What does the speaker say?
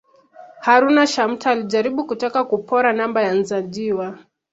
Haruna Shamte alijaribu kutaka kupora namba ya Nsajigwa